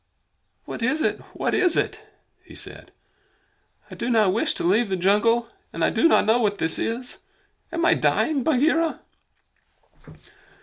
"What is it? What is it?" he said. "I do not wish to leave the jungle, and I do not know what this is. Am I dying, Bagheera?"